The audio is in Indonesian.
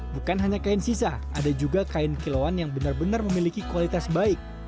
bukan hanya kain sisa ada juga kain kilauan yang benar benar memiliki kualitas baik